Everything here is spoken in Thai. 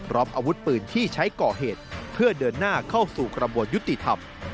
อาวุธปืนที่ใช้ก่อเหตุเพื่อเดินหน้าเข้าสู่กระบวนยุติธรรม